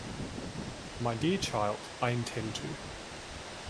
My dear child, I intend to.